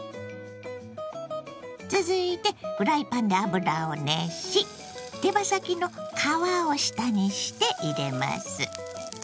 続いてフライパンで油を熱し手羽先の皮を下にして入れます。